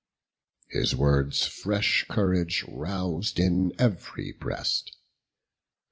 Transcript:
His words fresh courage rous'd in ev'ry breast.